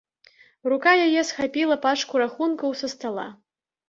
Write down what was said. Рука яе схапіла пачку рахункаў са стала.